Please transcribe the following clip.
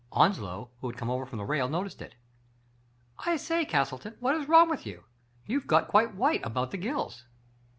Onslow, who had come over from the rail, noticed it. I say, Castleton, what is wrong with you? You have got quite white about the gills."